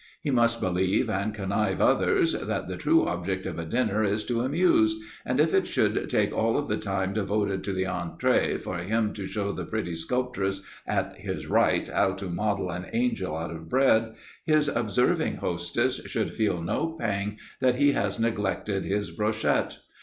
He must believe, and convince others, that the true object of a dinner is to amuse, and if it should take all of the time devoted to the entrée for him to show the pretty sculptress at his right how to model an angel out of bread, his observing hostess should feel no pang that he has neglected his brochette.